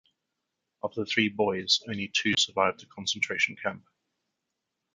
Of the three boys only two survived the concentration camp.